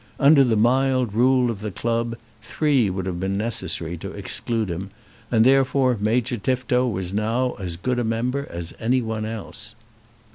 Under the mild rule of the club, three would have been necessary to exclude him; and therefore Major Tifto was now as good a member as any one else.